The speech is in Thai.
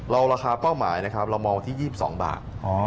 เราราคาเป้าหมายเรามองที่๒๒บาท